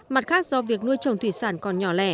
mặt khác do việc nuôi trồng thủy sản còn nhỏ lẻ